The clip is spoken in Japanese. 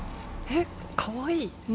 えかわいい。